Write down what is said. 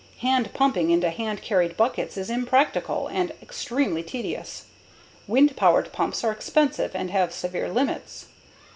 Hand pumping into hand carried buckets is impractical and extremely tedious. Wind powered pumps are expensive and have severe limits.